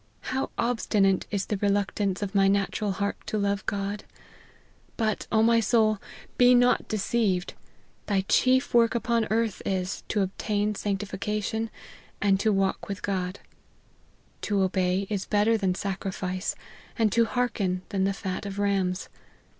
How obstinate is the reluctance of the natural heart to love God ! But, O my soul, be not deceived ; thy chief work upon earth is, to obtain sanctification, and to walk with God. * To obey is better than sacrifice, and to hearken than the fat of rams.'